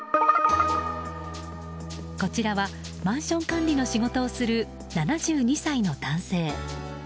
こちらは、マンション管理の仕事をする７２歳の男性。